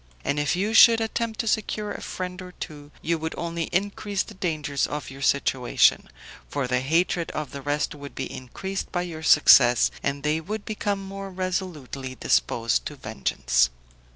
And if you should attempt to secure a friend or two, you would only increase the dangers of your situation; for the hatred of the rest would be increased by your success, and they would become more resolutely disposed to vengeance.